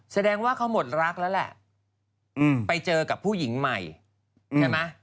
แสดงว่าเขาหมดรักแล้วแหละไปเจอกับผู้หญิงใหม่ใช่ไหม